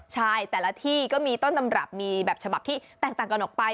ใช่แต่ละที่ก็มีต้นตำรับมีแบบฉบับที่แตกต่างกันออกไป